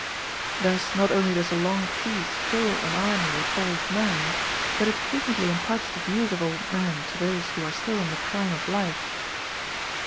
Thus not only does a long peace fill an army with old men, but it is frequently imparts the views of old men to those who are still in the prime of life.